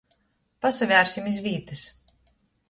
Pasavērsim iz vītys.